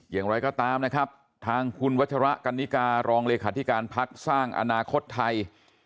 อย่างไรก็ตามนะครับทางคุณวัชระกันนิการองเลขาธิการพักสร้างอนาคตไทย